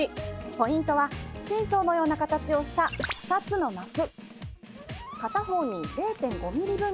ポイントはシーソーのような形をした２つのます。